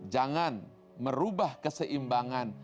jangan merubah keseimbangan